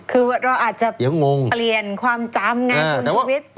คือว่าเราอาจจะเปลี่ยนความจำงานของชีวิต